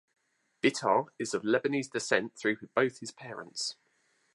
Bitar is of Lebanese descent through both his parents.